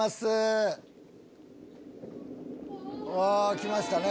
来ましたね。